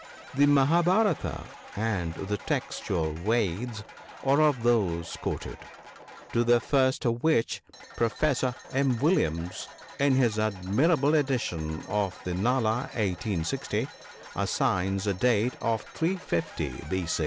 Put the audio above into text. The " Mahabharata " and the textual "Veds" are of those quoted : to the first of which Professor M. Williams (in his admirable edition of the "Nala," i860) assigns a date of 350 b.